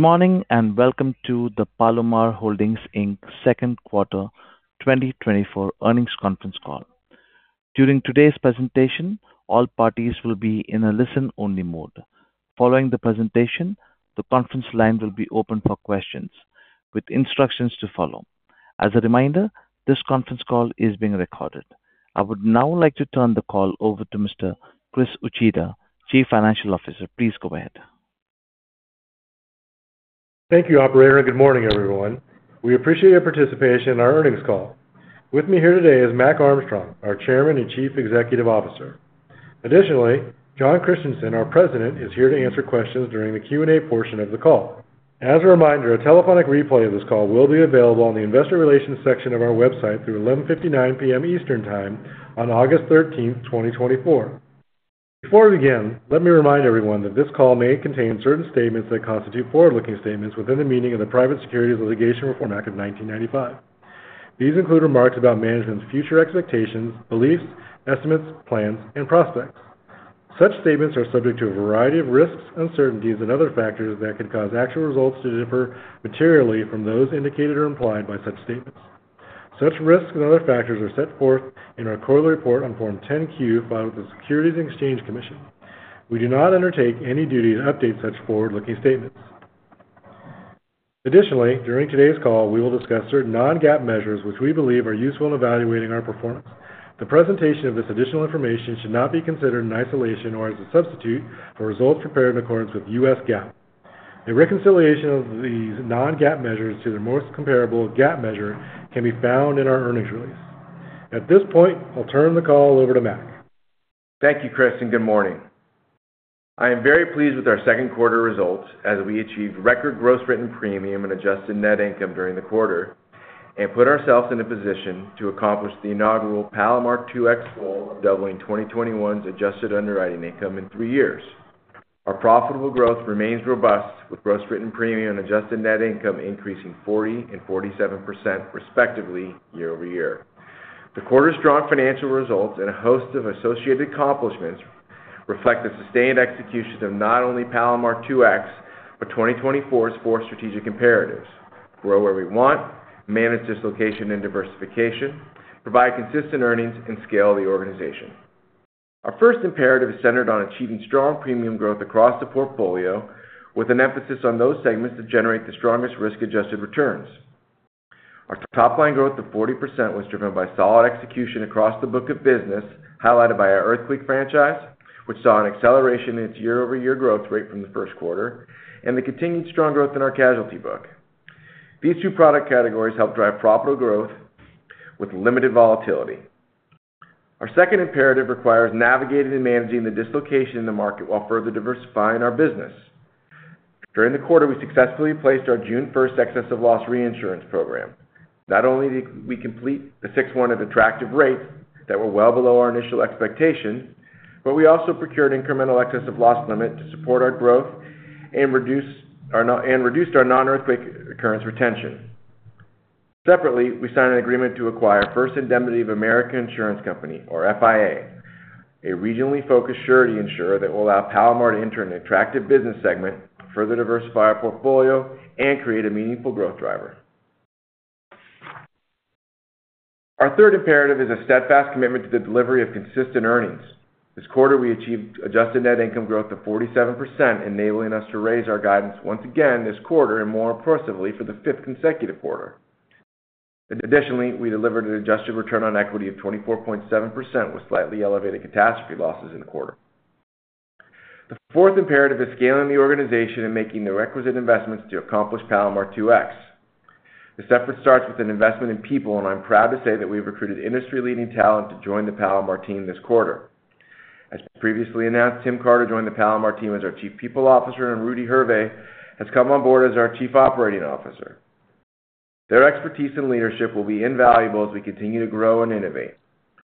Good morning, and Welcome to the Palomar Holdings, Inc. Second Quarter 2024 Earnings Conference Call. During today's presentation, all parties will be in a listen-only mode. Following the presentation, the conference line will be open for questions with instructions to follow. As a reminder, this conference line is being recorded. I would now like to turn the call over to Mr. Chris Uchida, Chief Financial Officer. Please go ahead. Thank you, operator, and good morning, everyone. We appreciate your participation in our earnings call. With me here today is Mac Armstrong, our Chairman and Chief Executive Officer. Additionally, Jon Christensen, our President, is here to answer questions during the Q&A portion of the call. As a reminder, a telephonic replay of this call will be available on the investor relations section of our website through 11:59 P.M. Eastern Time on August 13, 2024. Before we begin, let me remind everyone that this call may contain certain statements that constitute forward-looking statements within the meaning of the Private Securities Litigation Reform Act of 1995. These include remarks about management's future expectations, beliefs, estimates, plans, and prospects. Such statements are subject to a variety of risks, uncertainties, and other factors that could cause actual results to differ materially from those indicated or implied by such statements. Such risks and other factors are set forth in our quarterly report on Form 10-Q, filed with the Securities and Exchange Commission. We do not undertake any duty to update such forward-looking statements. Additionally, during today's call, we will discuss certain non-GAAP measures, which we believe are useful in evaluating our performance. The presentation of this additional information should not be considered in isolation or as a substitute for results prepared in accordance with US GAAP. A reconciliation of these non-GAAP measures to their most comparable GAAP measure can be found in our earnings release. At this point, I'll turn the call over to Mac. Thank you, Chris, and good morning. I am very pleased with our second quarter results as we achieved record gross written premium and adjusted net income during the quarter and put ourselves in a position to accomplish the inaugural Palomar 2X goal of doubling 2021's adjusted underwriting income in three years. Our profitable growth remains robust, with gross written premium and adjusted net income increasing 40% and 47%, respectively, year-over-year. The quarter's strong financial results and a host of associated accomplishments reflect the sustained execution of not only Palomar 2X, but 2024's four strategic imperatives: grow where we want, manage dislocation and diversification, provide consistent earnings, and scale the organization. Our first imperative is centered on achieving strong premium growth across the portfolio, with an emphasis on those segments that generate the strongest risk-adjusted returns. Our top line growth of 40% was driven by solid execution across the book of business, highlighted by our earthquake franchise, which saw an acceleration in its year-over-year growth rate from the first quarter, and the continued strong growth in our casualty book. These two product categories helped drive profitable growth with limited volatility. Our second imperative requires navigating and managing the dislocation in the market while further diversifying our business. During the quarter, we successfully placed our June first excess of loss reinsurance program. Not only did we complete the sixth one at attractive rates that were well below our initial expectations, but we also procured incremental excess of loss limit to support our growth and reduced our non-earthquake occurrence retention. Separately, we signed an agreement to acquire First Indemnity of America Insurance Company, or FIA, a regionally focused surety insurer that will allow Palomar to enter an attractive business segment, further diversify our portfolio, and create a meaningful growth driver. Our third imperative is a steadfast commitment to the delivery of consistent earnings. This quarter, we achieved adjusted net income growth of 47%, enabling us to raise our guidance once again this quarter and more impressively, for the fifth consecutive quarter. Additionally, we delivered an adjusted return on equity of 24.7%, with slightly elevated catastrophe losses in the quarter. The fourth imperative is scaling the organization and making the requisite investments to accomplish Palomar 2X. This effort starts with an investment in people, and I'm proud to say that we've recruited industry-leading talent to join the Palomar team this quarter. As previously announced, Tim Carter joined the Palomar team as our Chief People Officer, and Rudy Herve has come on board as our Chief Operating Officer. Their expertise and leadership will be invaluable as we continue to grow and innovate.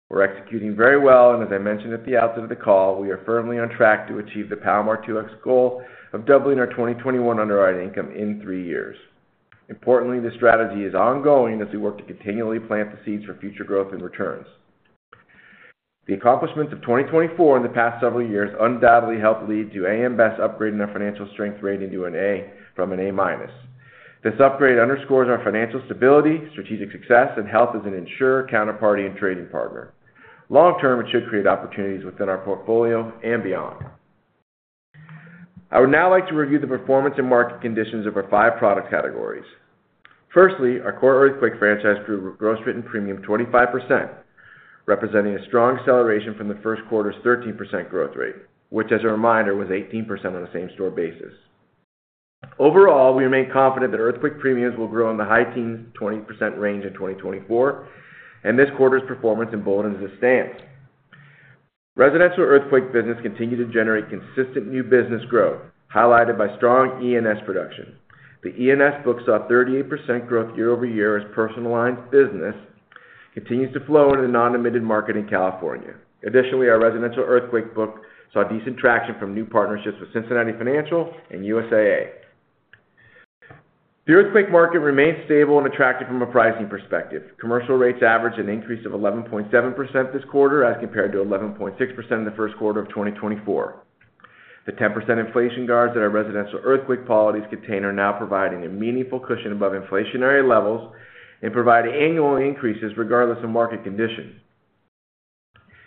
We're executing very well, and as I mentioned at the outset of the call, we are firmly on track to achieve the Palomar 2X goal of doubling our 2021 underwriting income in three years. Importantly, this strategy is ongoing as we work to continually plant the seeds for future growth and returns. The accomplishments of 2024 in the past several years undoubtedly helped lead to AM Best upgrading our financial strength rating to an A from an A minus. This upgrade underscores our financial stability, strategic success, and health as an insurer, counterparty, and trading partner. Long-term, it should create opportunities within our portfolio and beyond. I would now like to review the performance and market conditions of our five product categories. Firstly, our core earthquake franchise grew with gross written premium of 25%, representing a strong acceleration from the first quarter's 13% growth rate, which, as a reminder, was 18% on a same-store basis. Overall, we remain confident that earthquake premiums will grow in the high teens-20% range in 2024, and this quarter's performance emboldens the stance. Residential earthquake business continued to generate consistent new business growth, highlighted by strong E&S production. The E&S book saw 38% growth year-over-year as personal lines business continues to flow in a non-admitted market in California. Additionally, our residential earthquake book saw decent traction from new partnerships with Cincinnati Financial and USAA. The earthquake market remains stable and attractive from a pricing perspective. Commercial rates average an increase of 11.7% this quarter, as compared to 11.6% in the first quarter of 2024. The 10% inflation guards that our residential earthquake policies contain are now providing a meaningful cushion above inflationary levels and provide annual increases regardless of market conditions.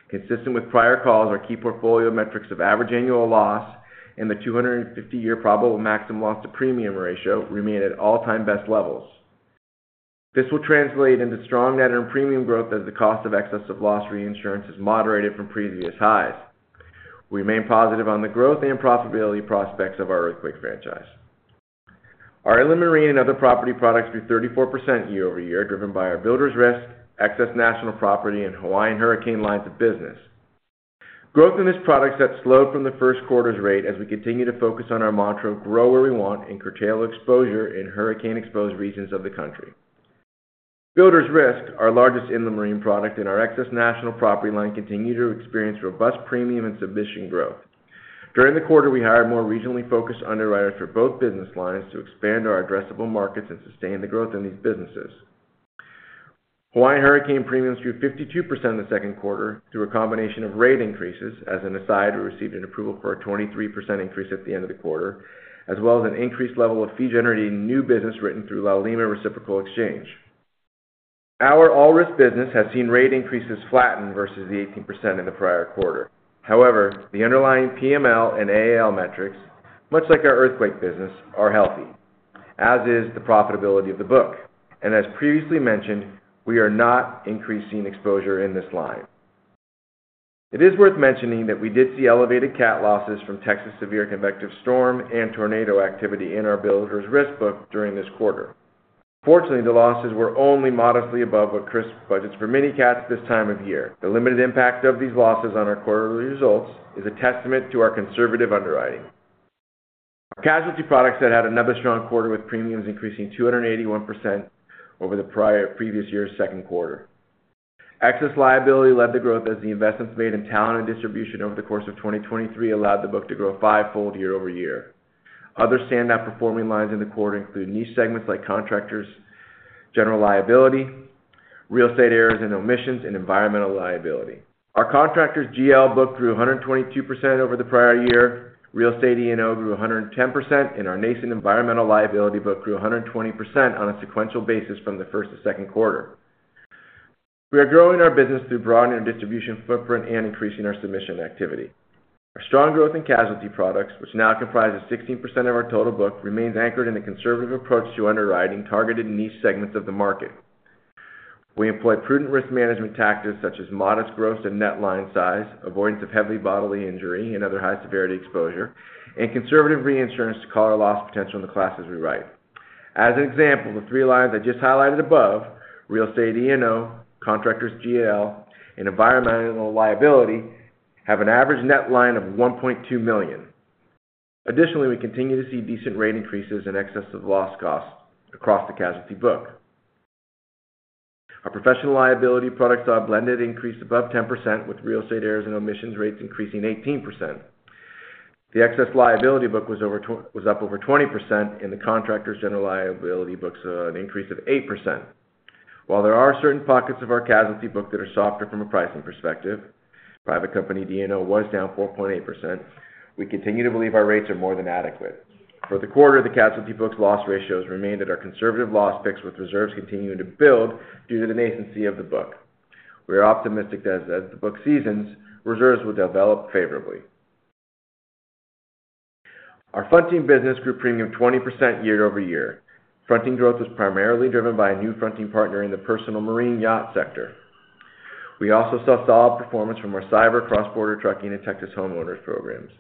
Consistent with prior calls, our key portfolio metrics of average annual loss and the 250-year probable maximum loss to premium ratio remain at all-time best levels. This will translate into strong net and premium growth as the cost of excess of loss reinsurance is moderated from previous highs. We remain positive on the growth and profitability prospects of our earthquake franchise. Our inland marine and other property products grew 34% year-over-year, driven by our builders risk, excess national property, and Hawaiian hurricane lines of business. Growth in this product set slowed from the first quarter's rate as we continue to focus on our mantra, "Grow where we want, and curtail exposure in hurricane-exposed regions of the country." Builders Risk, our largest inland marine product and our excess national property line, continued to experience robust premium and submission growth. During the quarter, we hired more regionally focused underwriters for both business lines to expand our addressable markets and sustain the growth in these businesses. Hawaiian hurricane premiums grew 52% in the second quarter through a combination of rate increases. As an aside, we received an approval for a 23% increase at the end of the quarter, as well as an increased level of fee-generating new business written through Laulima Reciprocal Exchange. Our all-risk business has seen rate increases flatten versus the 18% in the prior quarter. However, the underlying PML and AAL metrics, much like our earthquake business, are healthy, as is the profitability of the book. And as previously mentioned, we are not increasing exposure in this line. It is worth mentioning that we did see elevated cat losses from Texas severe convective storm and tornado activity in our builders risk book during this quarter. Fortunately, the losses were only modestly above what Chris budgets for mini cats this time of year. The limited impact of these losses on our quarterly results is a testament to our conservative underwriting. Our casualty products had another strong quarter, with premiums increasing 281% over the previous year's second quarter. Excess liability led the growth as the investments made in talent and distribution over the course of 2023 allowed the book to grow fivefold year-over-year. Other stand-out performing lines in the quarter include niche segments like contractors, general liability, real estate errors and omissions, and environmental liability. Our contractors GL book grew 122% over the prior year. Real estate E&O grew 110%, and our nascent environmental liability book grew 120% on a sequential basis from the first to second quarter. We are growing our business through broadening our distribution footprint and increasing our submission activity. Our strong growth in casualty products, which now comprises 16% of our total book, remains anchored in a conservative approach to underwriting targeted niche segments of the market. We employ prudent risk management tactics such as modest gross and net line size, avoidance of heavily bodily injury and other high-severity exposure, and conservative reinsurance to call our loss potential in the classes we write. As an example, the three lines I just highlighted above, real estate E&O, contractors GL, and environmental liability, have an average net line of $1.2 million. Additionally, we continue to see decent rate increases in excess of loss costs across the casualty book. Our professional liability products saw a blended increase above 10%, with real estate errors and omissions rates increasing 18%. The excess liability book was up over 20%, and the contractor's general liability book saw an increase of 8%. While there are certain pockets of our casualty book that are softer from a pricing perspective, private company D&O was down 4.8%, we continue to believe our rates are more than adequate. For the quarter, the casualty book's loss ratios remained at our conservative loss picks, with reserves continuing to build due to the nascency of the book. We are optimistic that as the book seasons, reserves will develop favorably. Our fronting business grew premium 20% year-over-year. Fronting growth was primarily driven by a new fronting partner in the personal marine yacht sector. We also saw solid performance from our cyber cross-border trucking and Texas homeowners programs.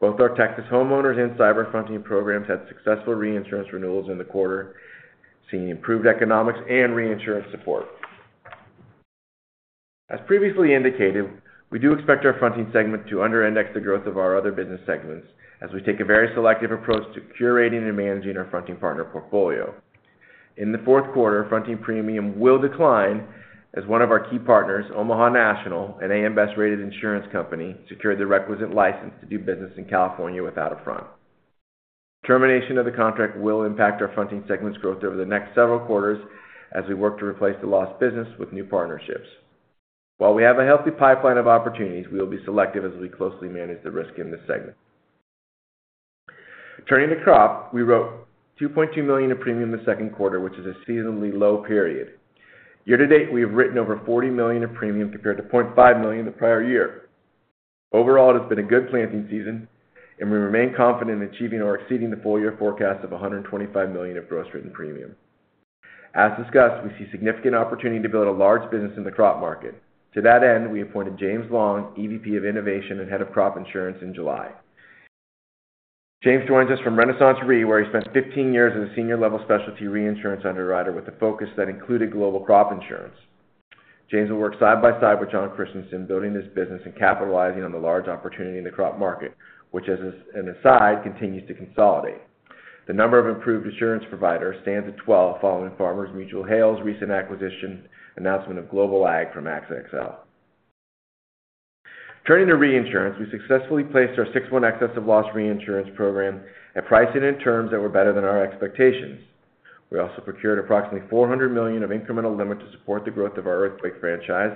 Both our Texas homeowners and cyber fronting programs had successful reinsurance renewals in the quarter, seeing improved economics and reinsurance support. As previously indicated, we do expect our fronting segment to under index the growth of our other business segments as we take a very selective approach to curating and managing our fronting partner portfolio. In the fourth quarter, fronting premium will decline as one of our key partners, Omaha National, an AM Best rated insurance company, secured the requisite license to do business in California without a front. Termination of the contract will impact our fronting segment's growth over the next several quarters as we work to replace the lost business with new partnerships. While we have a healthy pipeline of opportunities, we will be selective as we closely manage the risk in this segment. Turning to crop, we wrote $2.2 million in premium in the second quarter, which is a seasonally low period. Year to date, we have written over $40 million in premium, compared to $0.5 million the prior year. Overall, it has been a good planting season, and we remain confident in achieving or exceeding the full year forecast of $125 million of gross written premium. As discussed, we see significant opportunity to build a large business in the crop market. To that end, we appointed James Long, EVP of Innovation and Head of Crop Insurance, in July. James joins us from RenaissanceRe, where he spent 15 years as a senior-level specialty reinsurance underwriter with a focus that included global crop insurance. James will work side by side with Jon Christensen, building this business and capitalizing on the large opportunity in the crop market, which, as an aside, continues to consolidate. The number of approved insurance providers stands at 12, following Farmers Mutual Hail's recent acquisition announcement of Global Ag from AXA XL. Turning to reinsurance, we successfully placed our 61 excess of loss reinsurance program at pricing and terms that were better than our expectations. We also procured approximately $400 million of incremental limit to support the growth of our earthquake franchise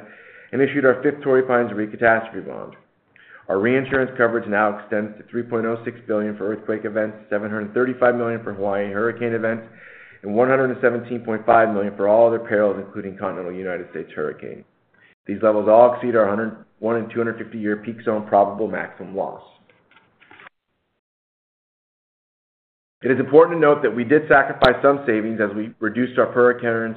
and issued our fifth Torrey Pines Re catastrophe bond. Our reinsurance coverage now extends to $3.06 billion for earthquake events, $735 million for Hawaiian hurricane events, and $117.5 million for all other perils, including continental United States hurricane. These levels all exceed our 100- and one-in-250-year peak zone probable maximum loss. It is important to note that we did sacrifice some savings as we reduced our hurricane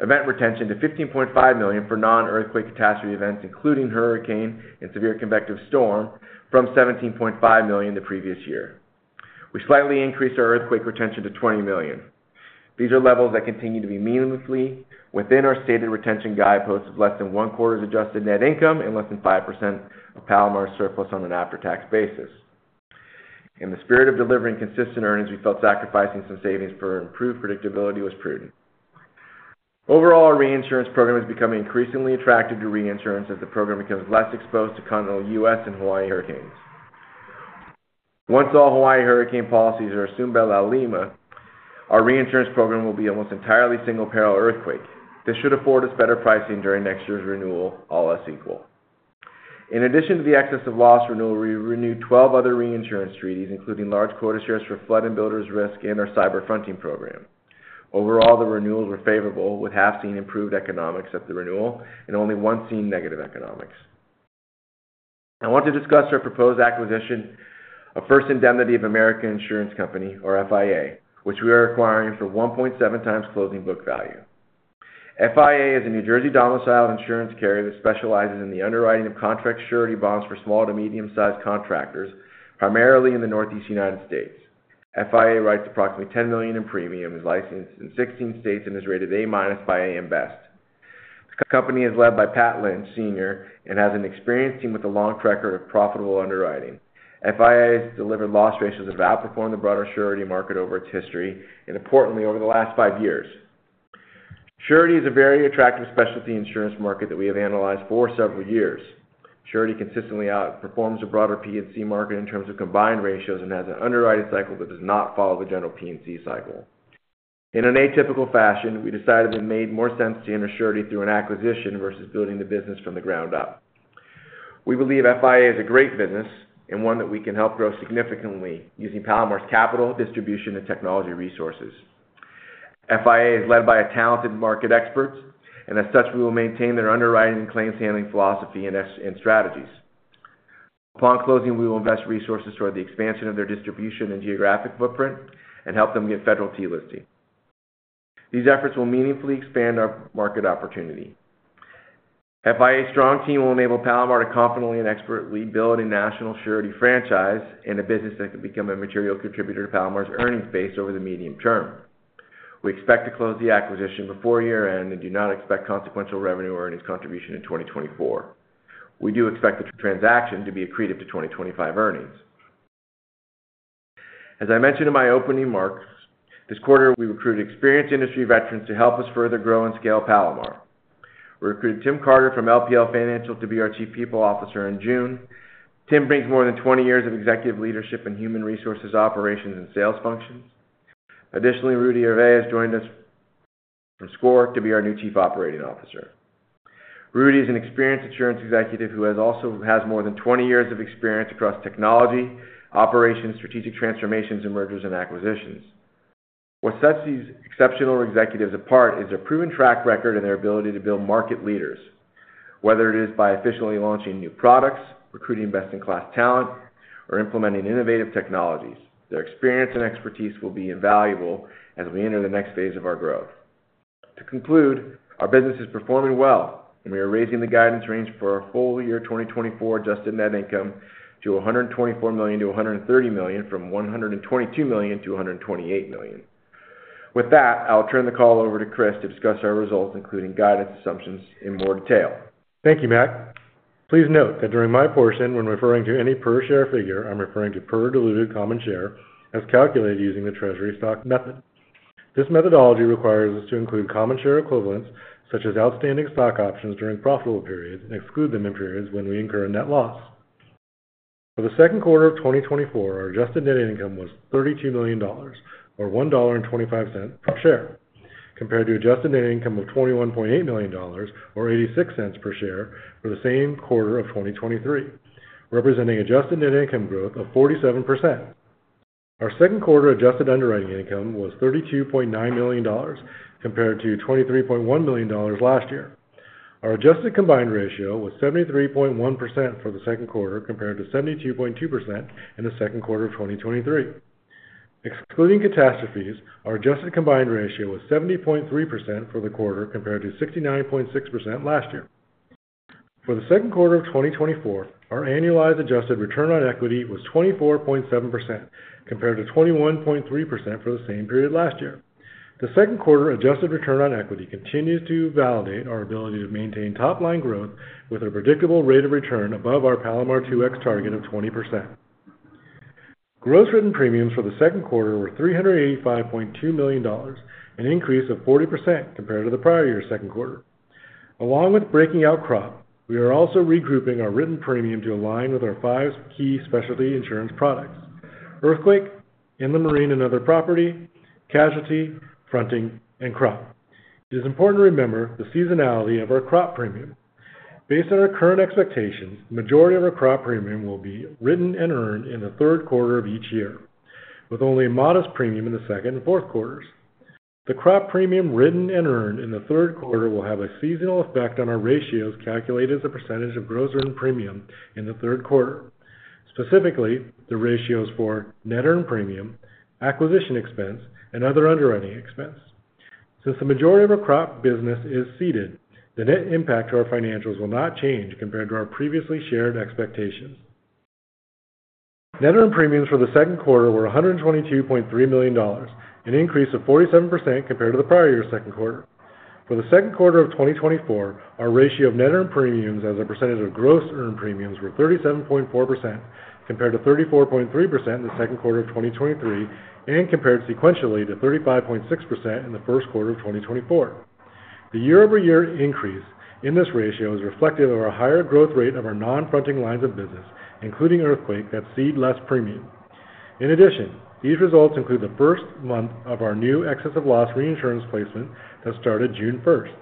event retention to $15.5 million for non-earthquake catastrophe events, including hurricane and severe convective storm, from $17.5 million the previous year. We slightly increased our earthquake retention to $20 million. These are levels that continue to be meaningfully within our stated retention guideposts of less than one quarter's adjusted net income and less than 5% of Palomar surplus on an after-tax basis. In the spirit of delivering consistent earnings, we felt sacrificing some savings for improved predictability was prudent. Overall, our reinsurance program is becoming increasingly attractive to reinsurance as the program becomes less exposed to continental U.S. and Hawaii hurricanes. Once all Hawaii hurricane policies are assumed by Laulima, our reinsurance program will be almost entirely single-peril earthquake. This should afford us better pricing during next year's renewal, all else equal. In addition to the excess of loss renewal, we renewed 12 other reinsurance treaties, including large quota shares for flood and Builders Risk and our cyber fronting program. Overall, the renewals were favorable, with half seeing improved economics at the renewal and only one seeing negative economics. I want to discuss our proposed acquisition of First Indemnity of America Insurance Company, or FIA, which we are acquiring for 1.7x closing book value. FIA is a New Jersey-domiciled insurance carrier that specializes in the underwriting of contract surety bonds for small to medium-sized contractors, primarily in the Northeast United States. FIA writes approximately $10 million in premium, is licensed in 16 states, and is rated A- by AM Best. The company is led by Pat Lynch Sr. and has an experienced team with a long track record of profitable underwriting. FIA has delivered loss ratios that have outperformed the broader surety market over its history and importantly, over the last five years. Surety is a very attractive specialty insurance market that we have analyzed for several years. Surety consistently outperforms the broader P&C market in terms of combined ratios and has an underwriting cycle that does not follow the general P&C cycle. In an atypical fashion, we decided it made more sense to enter surety through an acquisition versus building the business from the ground up. We believe FIA is a great business and one that we can help grow significantly using Palomar's capital, distribution, and technology resources. FIA is led by talented market experts, and as such, we will maintain their underwriting and claims handling philosophy and strategies. Upon closing, we will invest resources toward the expansion of their distribution and geographic footprint and help them get Federal T Listing. These efforts will meaningfully expand our market opportunity. FIA's strong team will enable Palomar to confidently and expertly build a national surety franchise in a business that could become a material contributor to Palomar's earnings base over the medium term. We expect to close the acquisition before year-end and do not expect consequential revenue or earnings contribution in 2024. We do expect the transaction to be accretive to 2025 earnings. As I mentioned in my opening remarks, this quarter, we recruited experienced industry veterans to help us further grow and scale Palomar. We recruited Tim Carter from LPL Financial to be our Chief People Officer in June. Tim brings more than 20 years of executive leadership in human resources, operations, and sales functions. Additionally, Rudy Herve has joined us from SCOR to be our new Chief Operating Officer. Rudy is an experienced insurance executive who also has more than 20 years of experience across technology, operations, strategic transformations, and mergers and acquisitions. What sets these exceptional executives apart is their proven track record and their ability to build market leaders, whether it is by efficiently launching new products, recruiting best-in-class talent, or implementing innovative technologies. Their experience and expertise will be invaluable as we enter the next phase of our growth. To conclude, our business is performing well, and we are raising the guidance range for our full year 2024 adjusted net income to $124 million-$130 million from $122 million-$128 million. With that, I'll turn the call over to Chris to discuss our results, including guidance assumptions, in more detail. Thank you, Mac. Please note that during my portion, when referring to any per-share figure, I'm referring to per diluted common share as calculated using the treasury stock method. This methodology requires us to include common share equivalents, such as outstanding stock options, during profitable periods and exclude them in periods when we incur a net loss. For the second quarter of 2024, our adjusted net income was $32 million, or $1.25 per share, compared to adjusted net income of $21.8 million, or $0.86 per share for the same quarter of 2023, representing adjusted net income growth of 47%. Our second quarter adjusted underwriting income was $32.9 million, compared to $23.1 million last year. Our adjusted combined ratio was 73.1% for the second quarter, compared to 72.2% in the second quarter of 2023. Excluding catastrophes, our adjusted combined ratio was 70.3% for the quarter, compared to 69.6% last year. For the second quarter of 2024, our annualized adjusted return on equity was 24.7%, compared to 21.3% for the same period last year. The second quarter adjusted return on equity continues to validate our ability to maintain top-line growth with a predictable rate of return above our Palomar 2X target of 20%. Gross written premiums for the second quarter were $385.2 million, an increase of 40% compared to the prior year's second quarter. Along with breaking out crop, we are also regrouping our written premium to align with our five key specialty insurance products: Earthquake, Inland Marine and Other Property, Casualty, Fronting, and Crop. It is important to remember the seasonality of our crop premium. Based on our current expectations, the majority of our crop premium will be written and earned in the third quarter of each year, with only a modest premium in the second and fourth quarters. The crop premium written and earned in the third quarter will have a seasonal effect on our ratios, calculated as a percentage of gross written premium in the third quarter. Specifically, the ratios for net earned premium, acquisition expense, and other underwriting expense. Since the majority of our crop business is ceded, the net impact to our financials will not change compared to our previously shared expectations. Net earned premiums for the second quarter were $122.3 million, an increase of 47% compared to the prior year's second quarter. For the second quarter of 2024, our ratio of net earned premiums as a percentage of gross earned premiums were 37.4%, compared to 34.3% in the second quarter of 2023, and compared sequentially to 35.6% in the first quarter of 2024. The year-over-year increase in this ratio is reflective of our higher growth rate of our non-fronting lines of business, including earthquake, that cede less premium. In addition, these results include the first month of our new excess of loss reinsurance placement that started June first.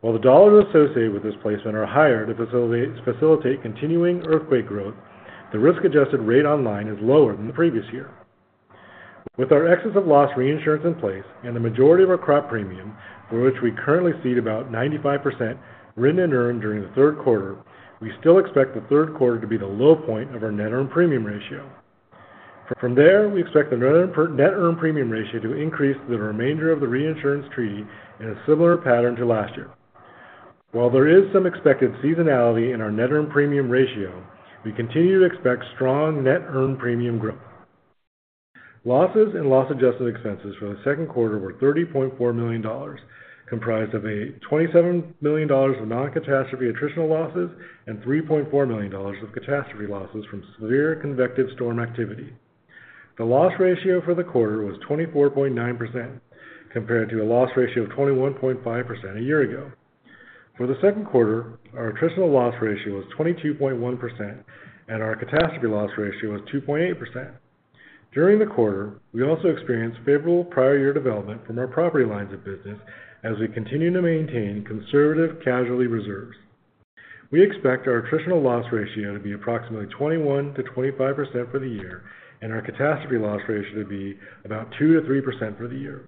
While the dollars associated with this placement are higher to facilitate continuing earthquake growth, the risk-adjusted rate on line is lower than the previous year. With our excess of loss reinsurance in place and the majority of our crop premium, for which we currently cede about 95% written and earned during the third quarter, we still expect the third quarter to be the low point of our net earned premium ratio. From there, we expect the net earned premium ratio to increase the remainder of the reinsurance treaty in a similar pattern to last year. While there is some expected seasonality in our net earned premium ratio, we continue to expect strong net earned premium growth. Losses and loss adjustment expenses for the second quarter were $30.4 million, comprised of $27 million of non-catastrophe attritional losses and $3.4 million of catastrophe losses from severe convective storm activity. The loss ratio for the quarter was 24.9%, compared to a loss ratio of 21.5% a year ago. For the second quarter, our attritional loss ratio was 22.1%, and our catastrophe loss ratio was 2.8%. During the quarter, we also experienced favorable prior year development from our property lines of business as we continue to maintain conservative casualty reserves. We expect our attritional loss ratio to be approximately 21%-25% for the year, and our catastrophe loss ratio to be about 2%-3% for the year.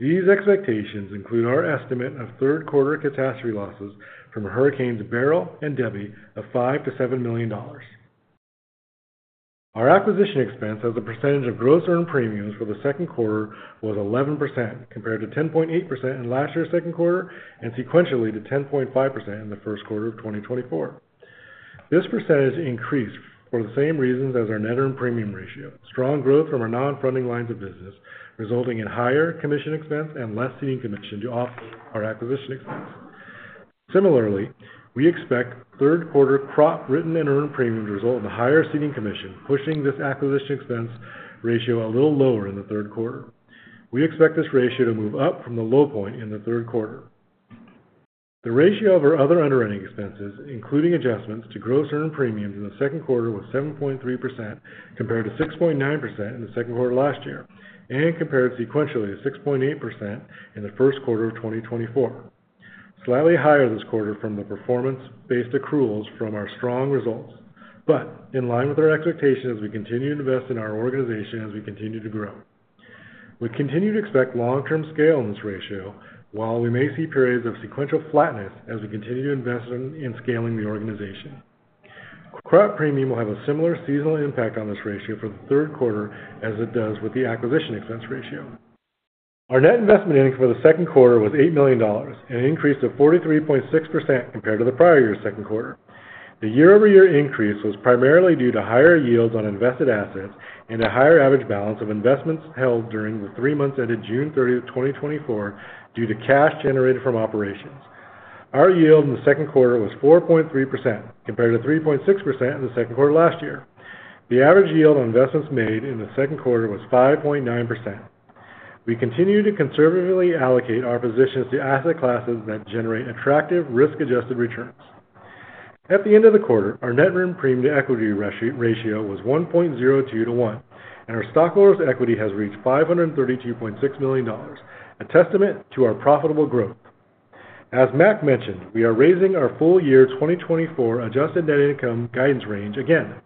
These expectations include our estimate of third quarter catastrophe losses from Hurricanes Beryl and Debby of $5 million-$7 million. Our acquisition expense as a percentage of gross earned premiums for the second quarter was 11%, compared to 10.8% in last year's second quarter, and sequentially to 10.5% in the first quarter of 2024. This percentage increased for the same reasons as our net earned premium ratio. Strong growth from our non-fronting lines of business, resulting in higher commission expense and less ceding commission to offset our acquisition expense. Similarly, we expect third quarter crop written and earned premiums to result in higher ceding commission, pushing this acquisition expense ratio a little lower in the third quarter. We expect this ratio to move up from the low point in the third quarter. The ratio of our other underwriting expenses, including adjustments to gross earned premiums in the second quarter, was 7.3%, compared to 6.9% in the second quarter last year, and compared sequentially to 6.8% in the first quarter of 2024. Slightly higher this quarter from the performance-based accruals from our strong results, but in line with our expectations as we continue to invest in our organization as we continue to grow. We continue to expect long-term scale in this ratio, while we may see periods of sequential flatness as we continue to invest in scaling the organization. Crop premium will have a similar seasonal impact on this ratio for the third quarter as it does with the acquisition expense ratio. Our net investment income for the second quarter was $8 million, an increase of 43.6% compared to the prior year's second quarter. The year-over-year increase was primarily due to higher yields on invested assets and a higher average balance of investments held during the three months ended June 30, 2024, due to cash generated from operations. Our yield in the second quarter was 4.3%, compared to 3.6% in the second quarter last year. The average yield on investments made in the second quarter was 5.9%. We continue to conservatively allocate our positions to asset classes that generate attractive risk-adjusted returns. At the end of the quarter, our net premium to equity ratio was 1.02% to 1%, and our stockholders' equity has reached $532.6 million, a testament to our profitable growth. As Mac mentioned, we are raising our full year 2024 adjusted net income guidance range again.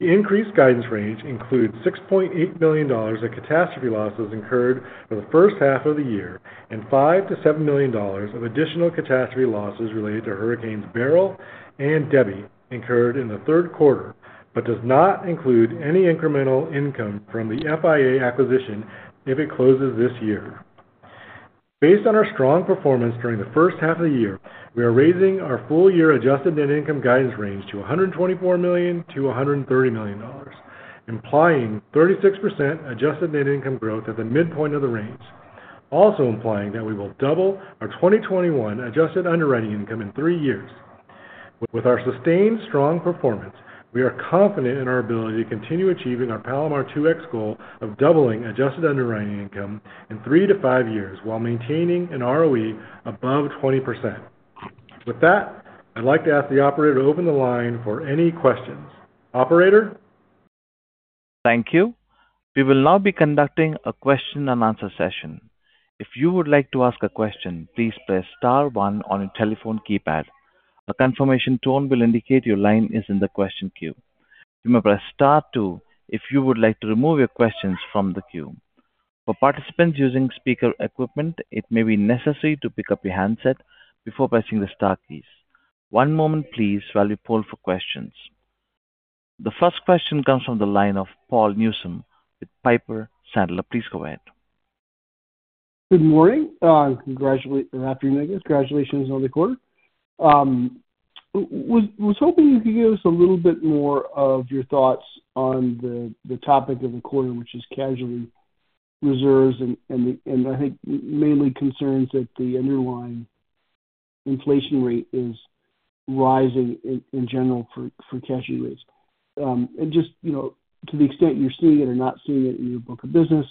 The increased guidance range includes $6.8 million of catastrophe losses incurred for the first half of the year, and $5 million-$7 million of additional catastrophe losses related to Hurricanes Beryl and Debby incurred in the third quarter, but does not include any incremental income from the FIA acquisition if it closes this year. Based on our strong performance during the first half of the year, we are raising our full year adjusted net income guidance range to $124 million-$130 million, implying 36% adjusted net income growth at the midpoint of the range. Also implying that we will double our 2021 adjusted underwriting income in three years. With our sustained strong performance, we are confident in our ability to continue achieving our Palomar 2X goal of doubling adjusted underwriting income in three-five years, while maintaining an ROE above 20%. With that, I'd like to ask the operator to open the line for any questions. Operator? Thank you. We will now be conducting a question-and-answer session. If you would like to ask a question, please press star one on your telephone keypad. A confirmation tone will indicate your line is in the question queue. You may press star two if you would like to remove your questions from the queue. For participants using speaker equipment, it may be necessary to pick up your handset before pressing the star keys. One moment please, while we poll for questions. The first question comes from the line of Paul Newsome with Piper Sandler. Please go ahead. Good morning or afternoon, I guess. Congratulations on the quarter. I was hoping you could give us a little bit more of your thoughts on the topic of the quarter, which is casualty reserves and the main concerns that the underlying inflation rate is rising in general for casualty rates. And just, you know, to the extent you're seeing it or not seeing it in your book of business,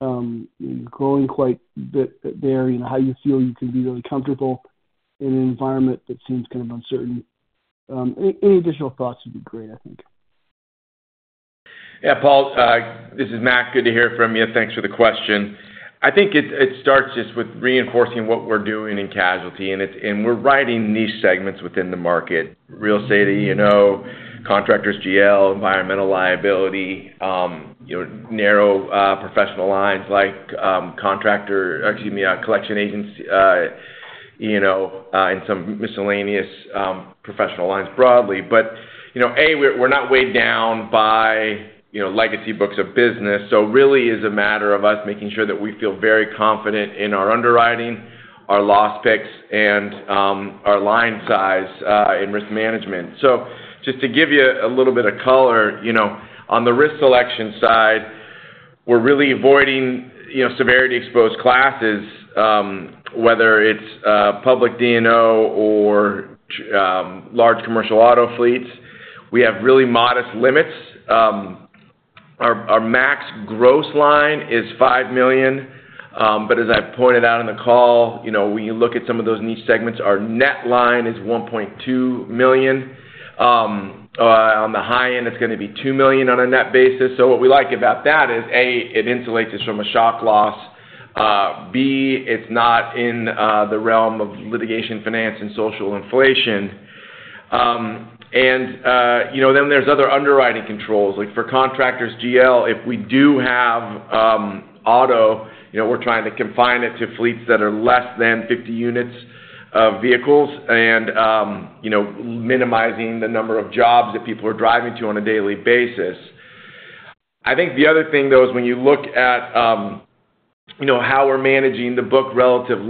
growing quite a bit there, and how you feel you can be really comfortable in an environment that seems kind of uncertain. Any additional thoughts would be great, I think. Yeah, Paul, this is Mac. Good to hear from you. Thanks for the question. I think it starts just with reinforcing what we're doing in casualty, and it's, and we're writing niche segments within the market. Real estate, you know, contractors GL, environmental liability, you know, narrow professional lines like, contractor, excuse me, collection agency, you know, and some miscellaneous professional lines broadly. But, you know, A, we're not weighed down by, you know, legacy books of business. So really is a matter of us making sure that we feel very confident in our underwriting, our loss picks, and, our line size, in risk management. So just to give you a little bit of color, you know, on the risk selection side, we're really avoiding, you know, severity exposed classes, whether it's public DNO or large commercial auto fleets. We have really modest limits. Our max gross line is $5 million. But as I pointed out in the call, you know, when you look at some of those niche segments, our net line is $1.2 million. On the high end, it's gonna be $2 million on a net basis. So what we like about that is, A, it insulates us from a shock loss. B, it's not in the realm of litigation, finance, and social inflation. And, you know, then there's other underwriting controls, like for contractors GL, if we do have auto, you know, we're trying to confine it to fleets that are less than 50 units of vehicles and, you know, minimizing the number of jobs that people are driving to on a daily basis. I think the other thing, though, is when you look at, you know, how we're managing the book relative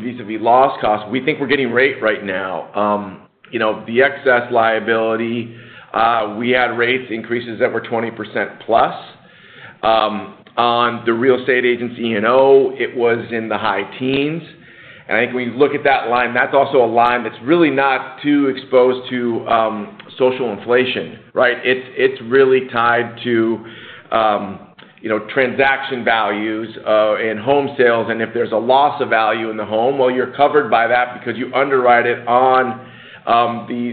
vis-à-vis loss cost, we think we're getting rate right now. You know, the excess liability, we had rates increases that were 20% plus. On the real estate agency, you know, it was in the high teens. And I think when you look at that line, that's also a line that's really not too exposed to social inflation, right? It's really tied to, you know, transaction values, and home sales, and if there's a loss of value in the home, well, you're covered by that because you underwrite it on,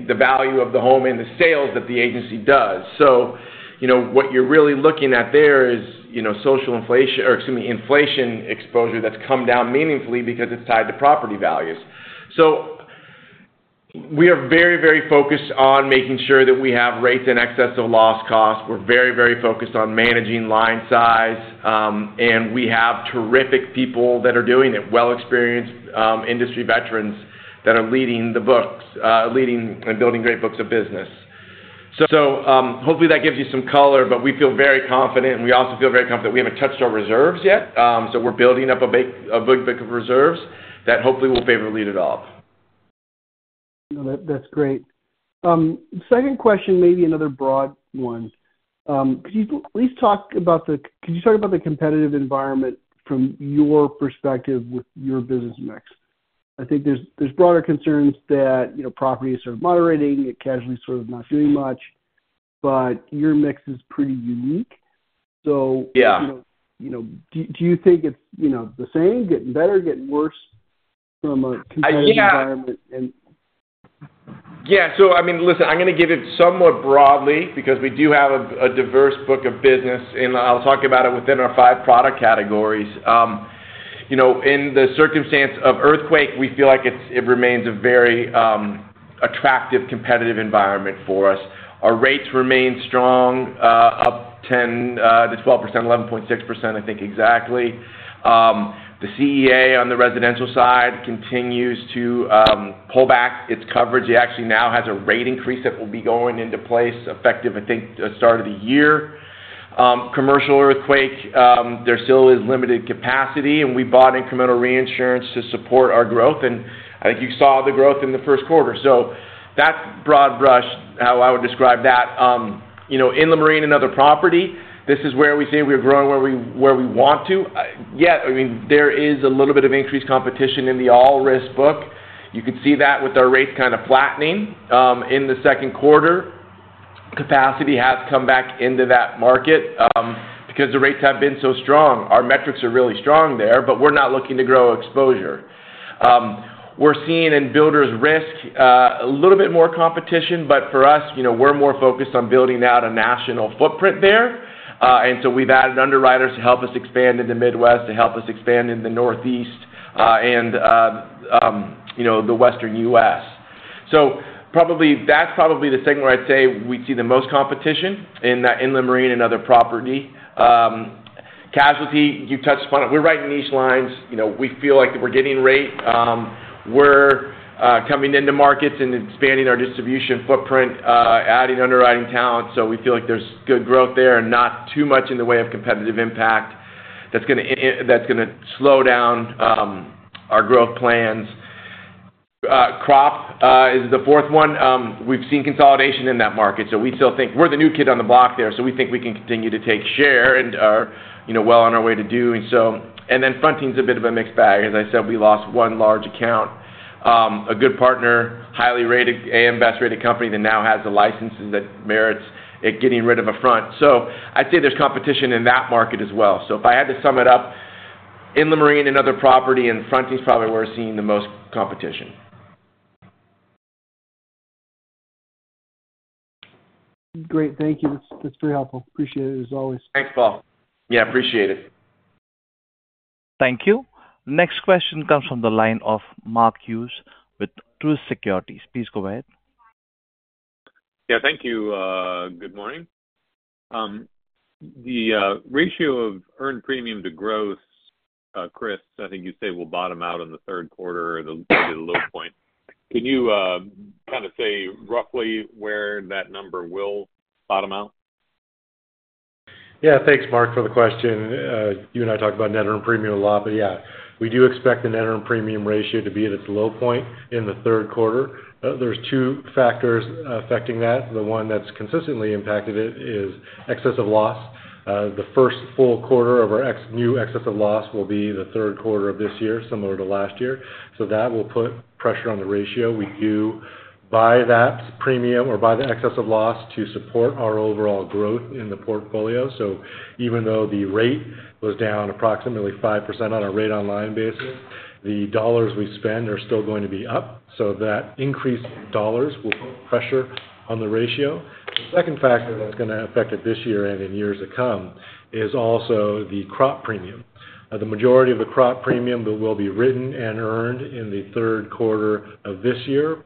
the value of the home and the sales that the agency does. So, you know, what you're really looking at there is, you know, social inflation or excuse me, inflation exposure that's come down meaningfully because it's tied to property values. So we are very, very focused on making sure that we have rates in excess of loss costs. We're very, very focused on managing line size, and we have terrific people that are doing it, well experienced, industry veterans that are leading the books, leading and building great books of business. So, hopefully that gives you some color, but we feel very confident, and we also feel very confident we haven't touched our reserves yet. So we're building up a big book of reserves that hopefully will pay the lead it off. No, that, that's great. Second question, maybe another broad one. Could you please talk about the competitive environment from your perspective with your business mix? I think there's broader concerns that, you know, property is sort of moderating, and casualty is sort of not doing much, but your mix is pretty unique, so- Yeah. You know, do you think it's, you know, the same, getting better, or getting worse from a competitive environment and? Yeah. So I mean, listen, I'm gonna give it somewhat broadly because we do have a diverse book of business, and I'll talk about it within our five product categories. You know, in the circumstance of earthquake, we feel like it remains a very attractive, competitive environment for us. Our rates remain strong, up 10%-12%, 11.6%, I think exactly. The CEA on the residential side continues to pull back its coverage. It actually now has a rate increase that will be going into place effective, I think, the start of the year. Commercial earthquake, there still is limited capacity, and we bought incremental reinsurance to support our growth, and I think you saw the growth in the first quarter. That's broad brush, how I would describe that. You know, in the marine and other property, this is where we say we're growing where we want to. Yeah, I mean, there is a little bit of increased competition in the All-Risk book. You could see that with our rates kind of flattening in the second quarter. Capacity has come back into that market because the rates have been so strong. Our metrics are really strong there, but we're not looking to grow exposure. We're seeing in Builders Risk a little bit more competition, but for us, you know, we're more focused on building out a national footprint there. And so we've added underwriters to help us expand in the Midwest, to help us expand in the Northeast, and, you know, the Western U.S. So probably, that's probably the segment where I'd say we see the most competition in that, in the marine and other property. Casualty, you touched upon it. We're writing these lines, you know, we feel like we're getting rate. We're coming into markets and expanding our distribution footprint, adding underwriting talent. So we feel like there's good growth there and not too much in the way of competitive impact that's gonna slow down our growth plans. Crop is the fourth one. We've seen consolidation in that market, so we still think we're the new kid on the block there, so we think we can continue to take share and are, you know, well on our way to doing so. And then fronting is a bit of a mixed bag. As I said, we lost one large account, a good partner, highly rated, AM Best-rated company that now has the licenses that merits it, getting rid of a front. So I'd say there's competition in that market as well. So if I had to sum it up in the marine and other property and fronting is probably where we're seeing the most competition. Great. Thank you. That's, that's very helpful. Appreciate it, as always. Thanks, Paul. Yeah, appreciate it. Thank you. Next question comes from the line of Mark Hughes with Truist Securities. Please go ahead. Yeah, thank you. Good morning. The ratio of earned premium to growth, Chris, I think you say, will bottom out in the third quarter or the low point. Can you kind of say roughly where that number will bottom out? Yeah. Thanks, Mark, for the question. You and I talked about net earned premium a lot, but yeah, we do expect the net earned premium ratio to be at its low point in the third quarter. There's two factors affecting that. The one that's consistently impacted it is excess of loss. The first full quarter of our new excess of loss will be the third quarter of this year, similar to last year. So that will put pressure on the ratio. We do buy that premium or buy the excess of loss to support our overall growth in the portfolio. So even though the rate was down approximately 5% on a rate-on-line basis, the dollars we spend are still going to be up, so that increased dollars will put pressure on the ratio. The second factor that's gonna affect it this year and in years to come is also the crop premium. The majority of the crop premium that will be written and earned in the third quarter of this year,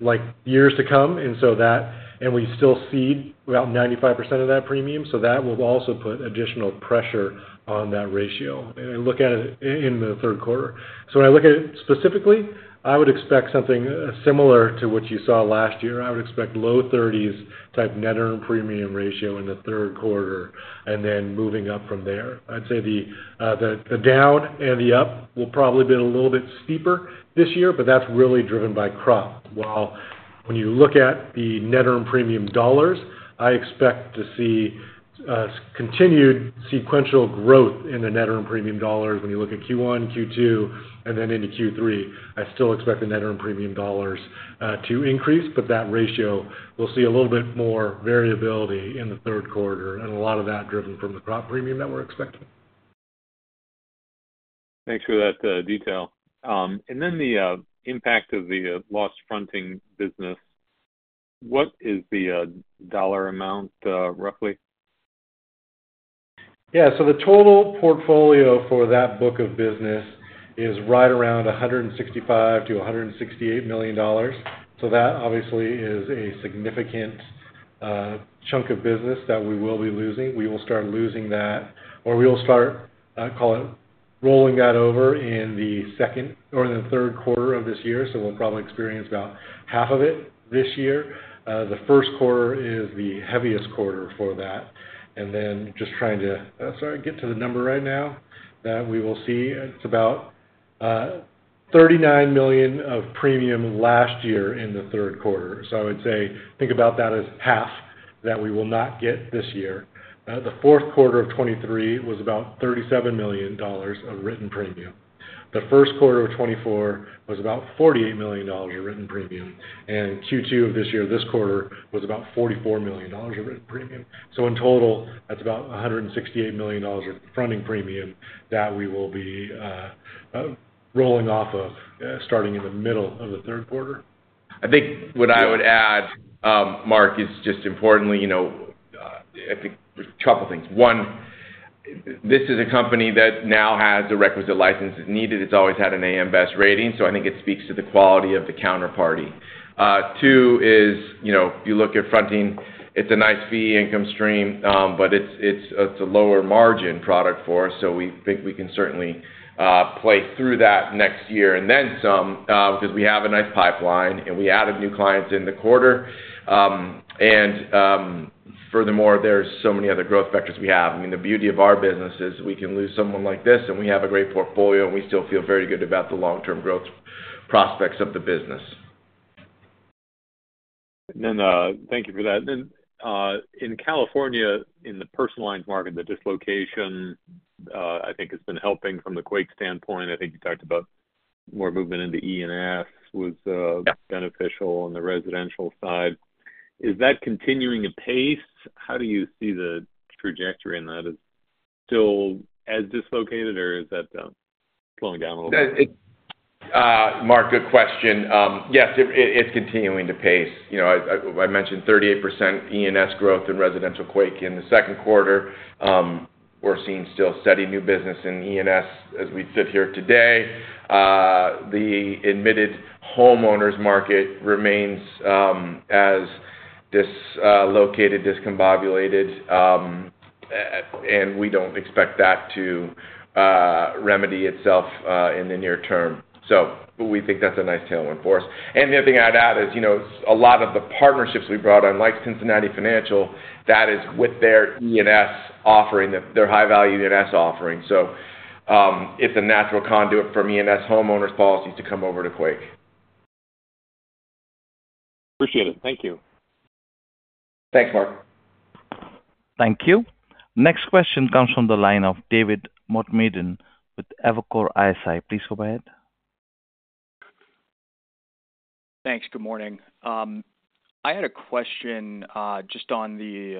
like years to come, and we still cede around 95% of that premium, so that will also put additional pressure on that ratio. I look at it in the third quarter. When I look at it specifically, I would expect something similar to what you saw last year. I would expect low thirties type net earned premium ratio in the third quarter, and then moving up from there. I'd say the down and the up will probably be a little bit steeper this year, but that's really driven by crop. While when you look at the net earned premium dollars, I expect to see continued sequential growth in the net earned premium dollars. When you look at Q1, Q2, and then into Q3, I still expect the net earned premium dollars to increase, but that ratio will see a little bit more variability in the third quarter, and a lot of that driven from the crop premium that we're expecting. Thanks for that, detail. And then the impact of the lost fronting business, what is the dollar amount, roughly? Yeah. So the total portfolio for that book of business is right around $165 million-$168 million. So that obviously is a significant chunk of business that we will be losing. We will start losing that, or we'll start, call it, rolling that over in the second or the third quarter of this year. So we'll probably experience about half of it this year. The first quarter is the heaviest quarter for that. And then just trying to get to the number right now that we will see. It's about $39 million of premium last year in the third quarter. So I would say, think about that as half that we will not get this year. The fourth quarter of 2023 was about $37 million of written premium. The first quarter of 2024 was about $48 million of written premium, and Q2 of this year, this quarter, was about $44 million of written premium. So in total, that's about $168 million of fronting premium that we will be rolling off of starting in the middle of the third quarter. I think what I would add, Mark, is just importantly, you know, I think there's a couple of things. One, this is a company that now has the requisite licenses needed. It's always had an AM Best rating, so I think it speaks to the quality of the counterparty. Two is, you know, if you look at fronting, it's a nice fee income stream, but it's, it's a lower margin product for us, so we think we can certainly, play through that next year and then some, because we have a nice pipeline, and we added new clients in the quarter. And, furthermore, there's so many other growth vectors we have. I mean, the beauty of our business is we can lose someone like this, and we have a great portfolio, and we still feel very good about the long-term growth prospects of the business. Then, thank you for that. Then, in California, in the personal lines market, the dislocation, I think, has been helping from the quake standpoint. I think you talked about more movement into E&S was, beneficial on the residential side. Is that continuing to pace? How do you see the trajectory in that? Is still as dislocated, or is that, slowing down a little bit? Mark, good question. Yes, it, it's continuing to pace. You know, I mentioned 38% E&S growth in residential quake in the second quarter. We're seeing still steady new business in E&S as we sit here today. The admitted homeowners market remains as dislocated, discombobulated, and we don't expect that to remedy itself in the near term. So we think that's a nice tailwind for us. And the other thing I'd add is, you know, a lot of the partnerships we brought on, like Cincinnati Financial, that is with their E&S offering, their high-value E&S offering. So, it's a natural conduit from E&S homeowners policies to come over to Quake. Appreciate it. Thank you. Thanks, Mark. Thank you. Next question comes from the line of David Motemaden with Evercore ISI. Please go ahead. Thanks. Good morning. I had a question, just on the,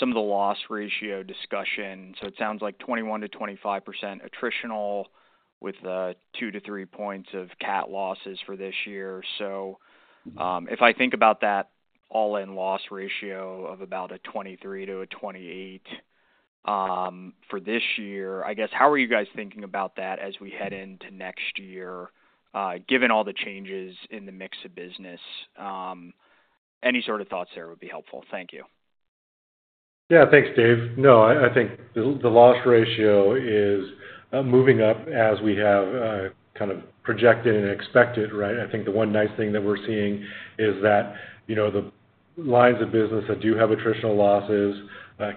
some of the loss ratio discussion. So it sounds like 21%-25% attritional, with two to three points of cat losses for this year. So, if I think about that all-in loss ratio of about a 23%-28%, for this year, I guess, how are you guys thinking about that as we head into next year, given all the changes in the mix of business, any sort of thoughts there would be helpful? Thank you. Yeah. Thanks, Dave. No, I think the loss ratio is moving up as we have kind of projected and expected, right? I think the one nice thing that we're seeing is that, you know, the lines of business that do have attritional losses,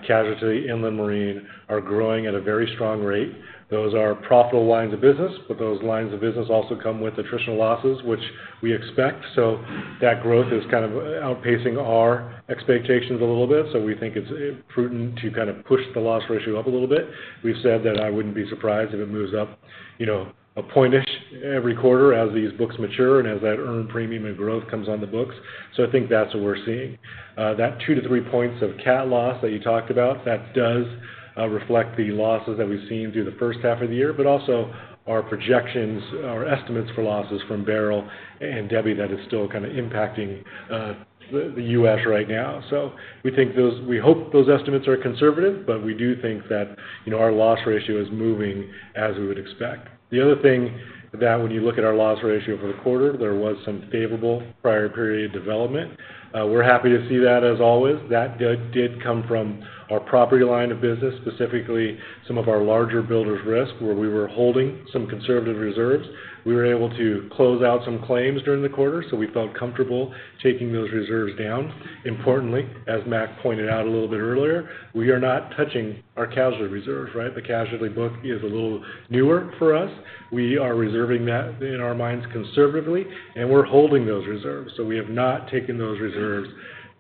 casualty, inland marine, are growing at a very strong rate. Those are profitable lines of business, but those lines of business also come with attritional losses, which we expect. So that growth is kind of outpacing our expectations a little bit, so we think it's prudent to kind of push the loss ratio up a little bit. We've said that I wouldn't be surprised if it moves up, you know, a point-ish every quarter as these books mature and as that earned premium and growth comes on the books. So I think that's what we're seeing. That two to three points of cat loss that you talked about, that does reflect the losses that we've seen through the first half of the year, but also our projections, our estimates for losses from Beryl and Debby, that is still kind of impacting the U.S. right now. So we think those, we hope those estimates are conservative, but we do think that, you know, our loss ratio is moving as we would expect. The other thing that when you look at our loss ratio for the quarter, there was some favorable prior period development. We're happy to see that as always. That did come from our property line of business, specifically some of our larger Builders Risk, where we were holding some conservative reserves. We were able to close out some claims during the quarter, so we felt comfortable taking those reserves down. Importantly, as Mac pointed out a little bit earlier, we are not touching our casualty reserves, right? The casualty book is a little newer for us. We are reserving that in our minds, conservatively, and we're holding those reserves, so we have not taken those reserves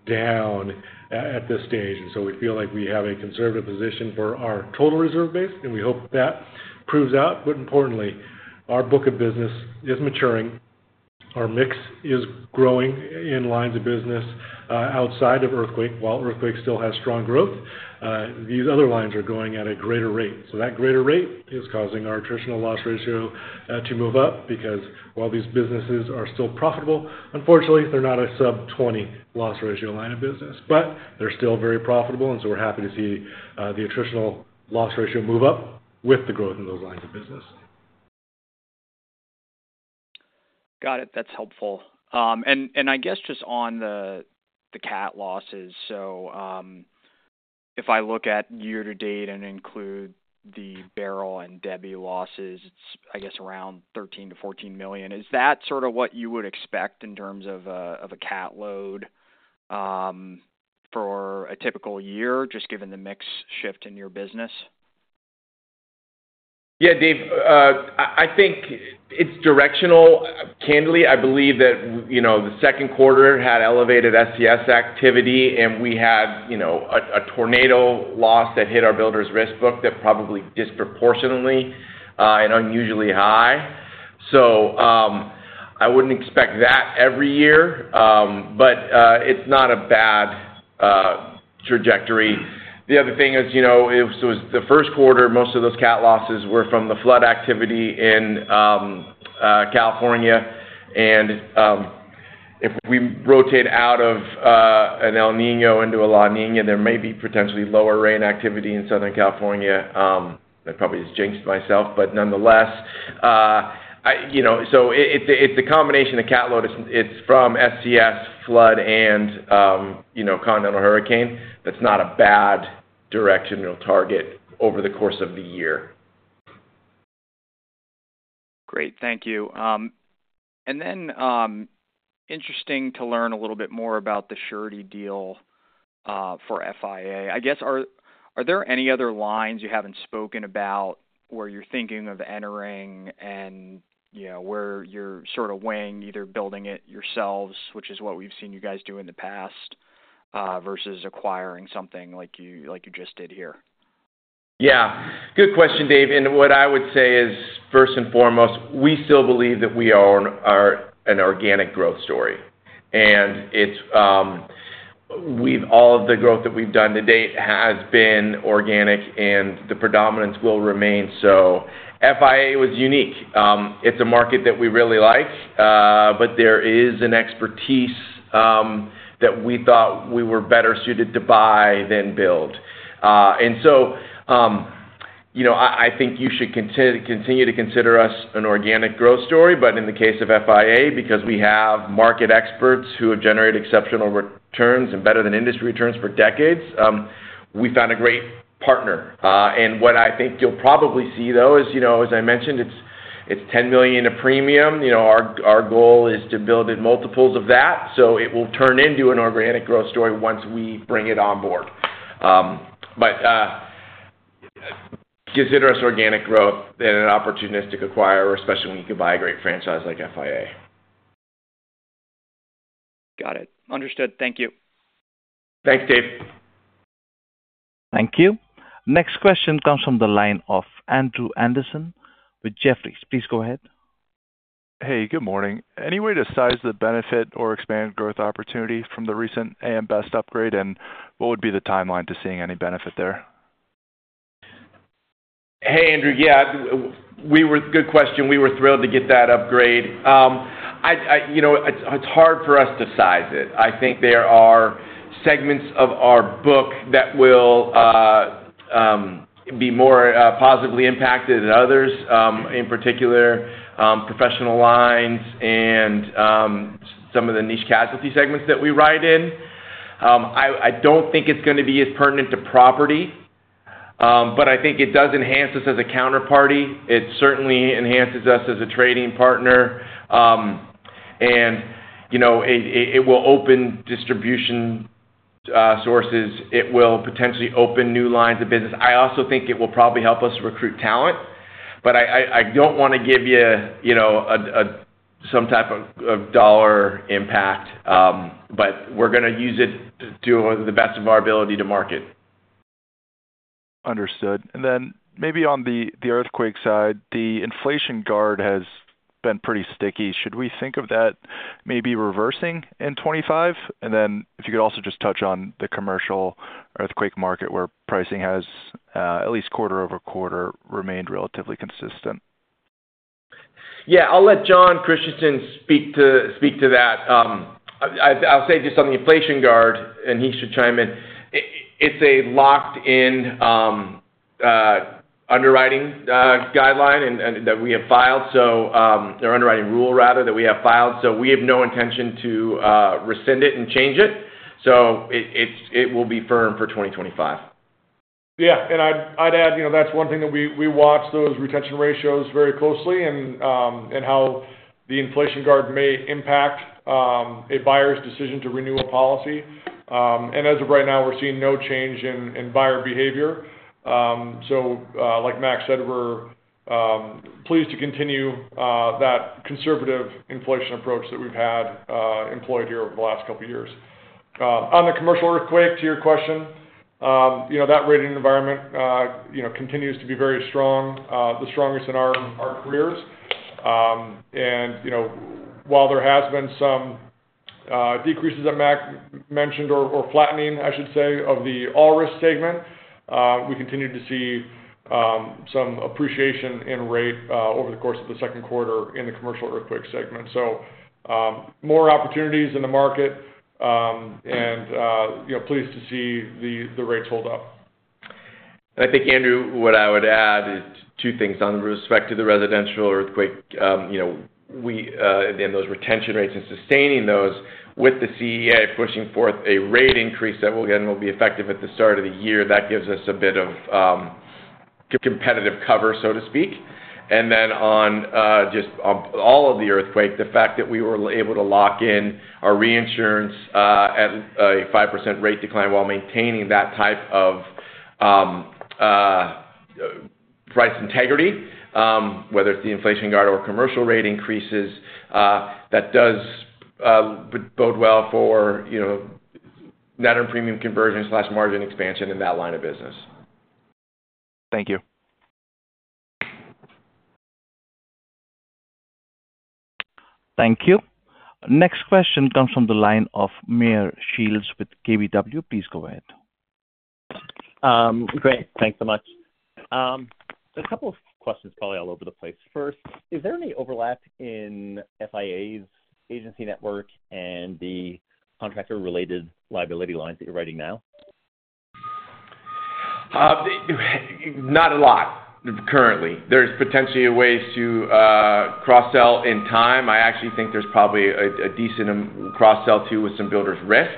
down at this stage. And so we feel like we have a conservative position for our total reserve base, and we hope that proves out. But importantly, our book of business is maturing. Our mix is growing in lines of business outside of earthquake. While earthquake still has strong growth, these other lines are growing at a greater rate. So that greater rate is causing our attritional loss ratio to move up because while these businesses are still profitable, unfortunately, they're not a sub-20 loss ratio line of business, but they're still very profitable, and so we're happy to see the attritional loss ratio move up with the growth in those lines of business. Got it. That's helpful. And I guess just on the cat losses. So, if I look at year to date and include the Beryl and Debby losses, it's I guess around $13 million-$14 million. Is that sort of what you would expect in terms of a cat load for a typical year, just given the mix shift in your business? Yeah, Dave, I think it's directional. Candidly, I believe that, you know, the second quarter had elevated SCS activity, and we had, you know, a tornado loss that hit our builder's risk book that probably disproportionately and unusually high. So, I wouldn't expect that every year, but it's not a bad trajectory. The other thing is, you know, so the first quarter, most of those cat losses were from the flood activity in California. And, if we rotate out of an El Niño into a La Niña, there may be potentially lower rain activity in Southern California, that probably has jinxed myself. But nonetheless, you know, so it, it's a combination of cat load, it's from SCS, flood, and, you know, continental hurricane. That's not a bad directional target over the course of the year. Great. Thank you. And then, interesting to learn a little bit more about the surety deal for FIA. I guess, are there any other lines you haven't spoken about where you're thinking of entering and, you know, where you're sort of weighing, either building it yourselves, which is what we've seen you guys do in the past, versus acquiring something like you just did here? Yeah. Good question, Dave. And what I would say is, first and foremost, we still believe that we are an organic growth story, and it's, we've all of the growth that we've done to date has been organic, and the predominance will remain. So FIA was unique. It's a market that we really like, but there is an expertise that we thought we were better suited to buy than build. And so, you know, I think you should continue to consider us an organic growth story. But in the case of FIA, because we have market experts who have generated exceptional returns and better than industry returns for decades, we found a great partner. And what I think you'll probably see, though, is, you know, as I mentioned, it's $10 million in premium. You know, our goal is to build in multiples of that, so it will turn into an organic growth story once we bring it on board. But consider us organic growth and an opportunistic acquirer, especially when you can buy a great franchise like FIA. Got it. Understood. Thank you. Thanks, Dave. Thank you. Next question comes from the line of Andrew Andersen with Jefferies. Please go ahead. Hey, good morning. Any way to size the benefit or expanded growth opportunity from the recent AM Best upgrade, and what would be the timeline to seeing any benefit there? Hey, Andrew. Yeah, we were. Good question. We were thrilled to get that upgrade. You know, it's hard for us to size it. I think there are segments of our book that will be more positively impacted than others, in particular, professional lines and some of the niche casualty segments that we write in. I don't think it's going to be as pertinent to property, but I think it does enhance us as a counterparty. It certainly enhances us as a trading partner. And, you know, it will open distribution sources. It will potentially open new lines of business. I also think it will probably help us recruit talent, but I don't want to give you, you know, some type of dollar impact. But we're going to use it to the best of our ability to market. Understood. And then maybe on the earthquake side, the Inflation Guard has been pretty sticky. Should we think of that maybe reversing in 2025? And then if you could also just touch on the commercial earthquake market, where pricing has at least quarter-over-quarter remained relatively consistent. Yeah. I'll let Jon Christensen speak to that. I'll say just on the Inflation Guard, and he should chime in. It's a locked-in underwriting guideline and that we have filed. So, or underwriting rule, rather, that we have filed, so we have no intention to rescind it and change it. So it will be firm for 2025. Yeah, and I'd add, you know, that's one thing that we watch those retention ratios very closely and how the inflation guard may impact a buyer's decision to renew a policy. And as of right now, we're seeing no change in buyer behavior. So, like Max said, we're pleased to continue that conservative inflation approach that we've had employed here over the last couple of years. On the commercial earthquake, to your question, you know, that rating environment, you know, continues to be very strong, the strongest in our careers. And, you know, while there has been some decreases that Max mentioned or, or flattening, I should say, of the all-risk segment, we continue to see some appreciation in rate over the course of the second quarter in the commercial earthquake segment. So, more opportunities in the market, and, you know, pleased to see the, the rates hold up. I think, Andrew, what I would add is two things with respect to the residential earthquake. You know, we and those retention rates and sustaining those with the CEA pushing forth a rate increase that will, again, be effective at the start of the year, that gives us a bit of competitive cover, so to speak. And then on just on all of the earthquake, the fact that we were able to lock in our reinsurance at a 5% rate decline while maintaining that type of price integrity, whether it's the inflation guard or commercial rate increases, that does bode well for, you know, net and premium conversion/margin expansion in that line of business. Thank you. Thank you. Next question comes from the line of Meyer Shields with KBW. Please go ahead. Great. Thanks so much. A couple of questions, probably all over the place. First, is there any overlap in FIA's agency network and the contractor-related liability lines that you're writing now? Not a lot currently. There's potentially ways to cross-sell in time. I actually think there's probably a decent cross-sell, too, with some builders risk.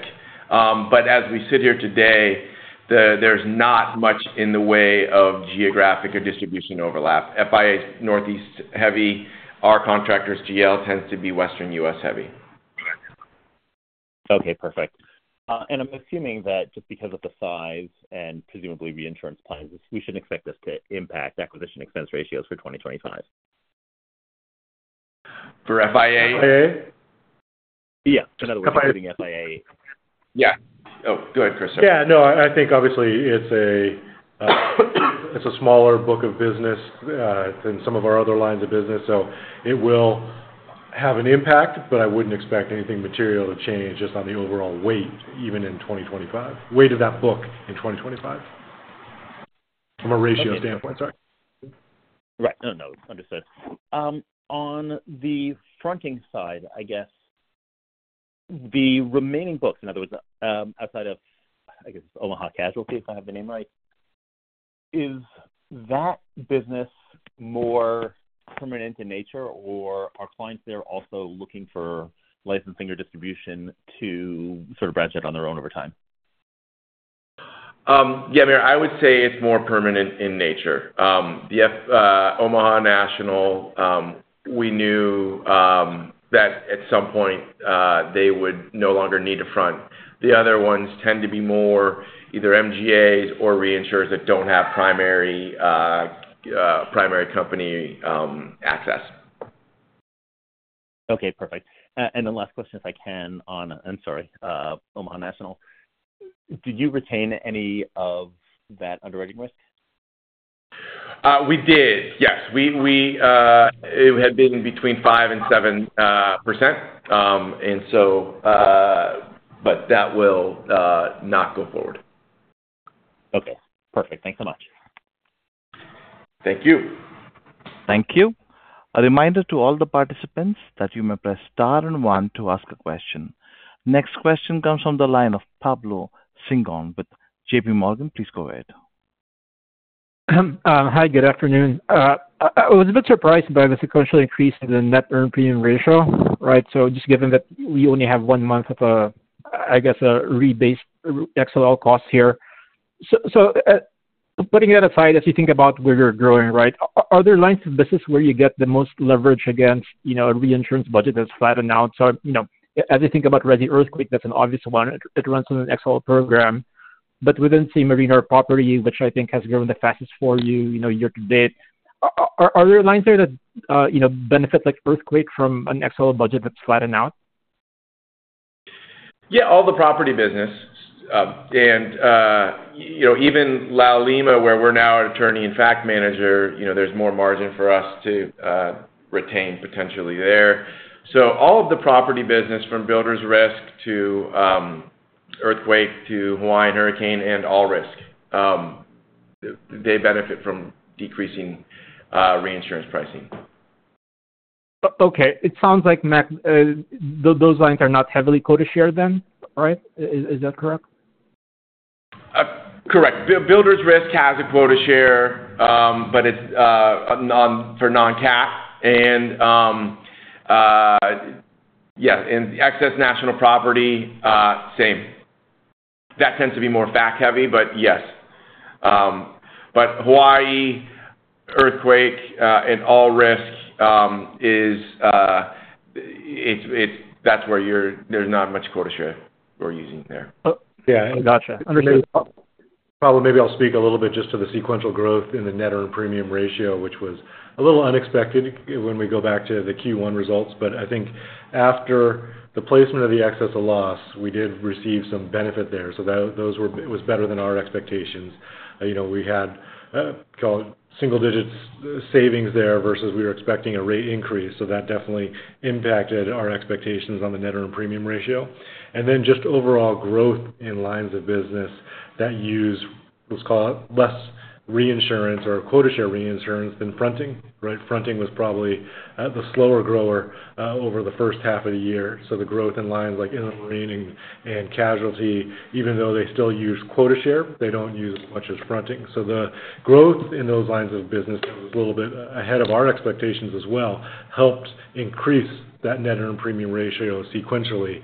But as we sit here today. There's not much in the way of geographic or distribution overlap. FIA is Northeast heavy. Our contractors GL tends to be Western U.S., heavy. Okay, perfect. And I'm assuming that just because of the size and presumably reinsurance plans, we shouldn't expect this to impact acquisition expense ratios for 2025? For FIA? FIA. Yeah. In other words, including FIA. Yeah. Oh, go ahead, Chris. Yeah, no, I think obviously it's a smaller book of business than some of our other lines of business, so it will have an impact, but I wouldn't expect anything material to change just on the overall weight, even in 2025. Weight of that book in 2025, from a ratio standpoint, sorry. Right. No, no, understood. On the fronting side, I guess the remaining books, in other words, outside of, I guess, Omaha National, if I have the name right, is that business more permanent in nature, or are clients there also looking for licensing or distribution to sort of branch out on their own over time? Yeah, Meyer, I would say it's more permanent in nature. Omaha National, we knew that at some point they would no longer need a front. The other ones tend to be more either MGAs or reinsurers that don't have primary company access. Okay, perfect. And the last question, if I can, on Omaha National. Did you retain any of that underwriting risk? We did, yes. We, it had been between 5% and 7%. And so, but that will not go forward. Okay, perfect. Thanks so much. Thank you. Thank you. A reminder to all the participants that you may press Star and One to ask a question. Next question comes from the line of Pablo Singzon with JPMorgan. Please go ahead. Hi, good afternoon. I was a bit surprised by the sequential increase in the net earned premium ratio, right? So just given that we only have one month of, I guess, a rebased XL cost here. So, putting that aside, as you think about where you're growing, right, are there lines of business where you get the most leverage against, you know, a reinsurance budget that's flattened out? So, you know, as you think about Resi Earthquake, that's an obvious one. It runs on an XL program, but within say, marine or property, which I think has grown the fastest for you, you know, year to date, are there lines there that, you know, benefit like earthquake from an XL budget that's flattened out? Yeah, all the property business, you know, even Laulima, where we're now an attorney-in-fact manager, you know, there's more margin for us to retain potentially there. So all of the property business, from Builders Risk to earthquake to Hawaiian hurricane and All-Risk, they benefit from decreasing reinsurance pricing. Okay, it sounds like, Matt, those lines are not heavily quota share then, right? Is that correct? Correct. But Builders Risk has a Quota Share, but it's none for non-cat and, yeah, and Excess National Property, same. That tends to be more cat heavy, but yes. But Hawaii Earthquake and All Risk is, it's—that's where you're—there's not much Quota Share we're using there. Oh, yeah, gotcha. Understood. Pablo, maybe I'll speak a little bit just to the sequential growth in the net earned premium ratio, which was a little unexpected when we go back to the Q1 results. But I think after the placement of the excess of loss, we did receive some benefit there, so that it was better than our expectations. You know, we had, call it single digits savings there, versus we were expecting a rate increase. So that definitely impacted our expectations on the net earned premium ratio. And then just overall growth in lines of business that use, let's call it, less reinsurance or quota share reinsurance than fronting, right? Fronting was probably the slower grower over the first half of the year. So the growth in lines like property and casualty, even though they still use quota share, they don't use as much as fronting. So the growth in those lines of business was a little bit ahead of our expectations as well, helped increase that net earned premium ratio sequentially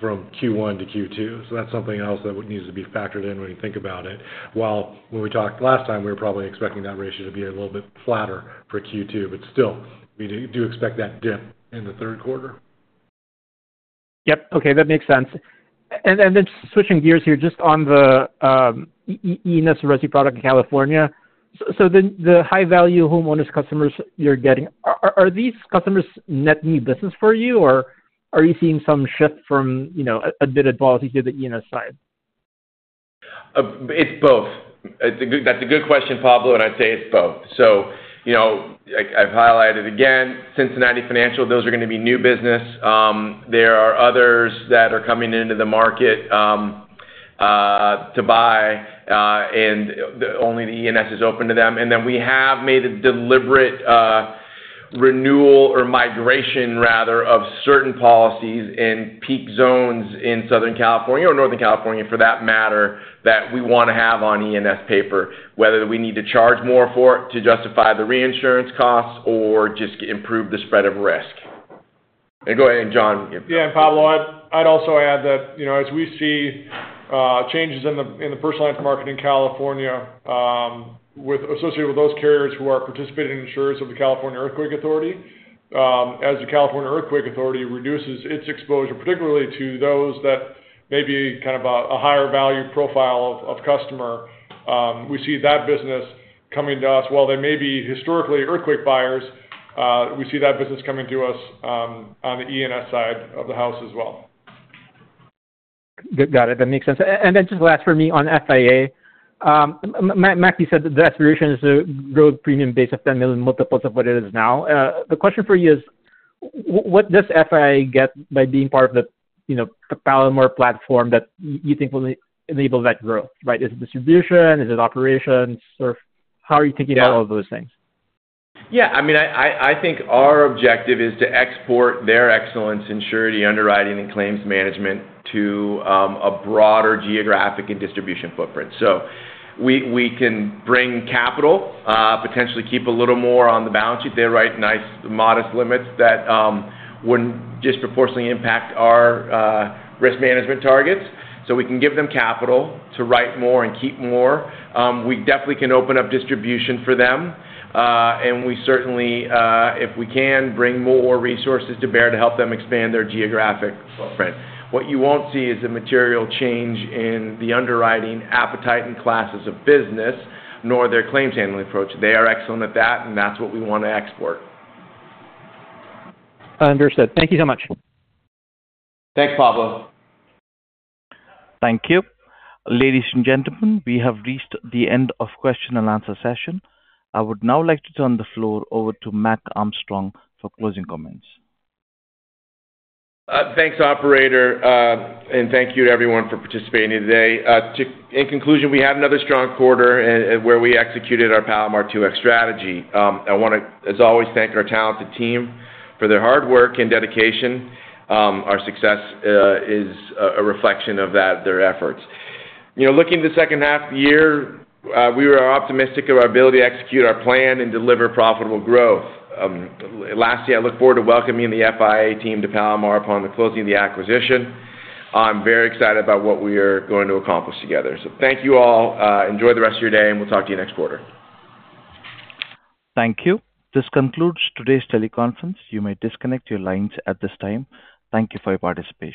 from Q1 to Q2. So that's something else that needs to be factored in when you think about it. When we talked last time, we were probably expecting that ratio to be a little bit flatter for Q2, but still, we do, we do expect that dip in the third quarter. Yep. Okay, that makes sense. And then switching gears here, just on the E&S Resi product in California. So the high-value homeowners customers you're getting, are these customers net new business for you, or are you seeing some shift from, you know, an admitted policy to the E&S side? It's both. It's a good question, that's a good question, Pablo, and I'd say it's both. So, you know, I've highlighted again, Cincinnati Financial, those are gonna be new business. There are others that are coming into the market to buy, and the only E&S is open to them. And then we have made a deliberate renewal or migration rather, of certain policies in peak zones in Southern California or Northern California, for that matter, that we wanna have on E&S paper, whether we need to charge more for it to justify the reinsurance costs or just improve the spread of risk... And go ahead, Jon, if. Yeah, and Pablo, I'd also add that, you know, as we see changes in the personal lines market in California, with associated with those carriers who are participating insurers of the California Earthquake Authority. As the California Earthquake Authority reduces its exposure, particularly to those that may be kind of a higher value profile of customer, we see that business coming to us. While they may be historically earthquake buyers, we see that business coming to us on the E&S side of the house as well. Good. Got it. That makes sense. And then just last for me on FIA, Matt, you said the aspiration is to grow premium base of 10 million multiples of what it is now. The question for you is: What does FIA get by being part of the, you know, the Palomar platform that you think will enable that growth, right? Is it distribution? Is it operations, or how are you thinking about all of those things? Yeah, I mean, I think our objective is to export their excellence in surety, underwriting, and claims management to a broader geographic and distribution footprint. So we can bring capital, potentially keep a little more on the balance sheet. They write nice, modest limits that wouldn't disproportionately impact our risk management targets. So we can give them capital to write more and keep more. We definitely can open up distribution for them, and we certainly, if we can, bring more resources to bear to help them expand their geographic footprint. What you won't see is a material change in the underwriting appetite and classes of business, nor their claims handling approach. They are excellent at that, and that's what we want to export. Understood. Thank you so much. Thanks, Pablo. Thank you. Ladies and gentlemen, we have reached the end of question and answer session. I would now like to turn the floor over to Mac Armstrong for closing comments. Thanks, operator, and thank you to everyone for participating today. In conclusion, we had another strong quarter where we executed our Palomar 2X strategy. I wanna, as always, thank our talented team for their hard work and dedication. Our success is a reflection of that, their efforts. You know, looking to the second half of the year, we are optimistic of our ability to execute our plan and deliver profitable growth. Lastly, I look forward to welcoming the FIA team to Palomar upon the closing of the acquisition. I'm very excited about what we are going to accomplish together. So thank you all. Enjoy the rest of your day, and we'll talk to you next quarter. Thank you. This concludes today's teleconference. You may disconnect your lines at this time. Thank you for your participation.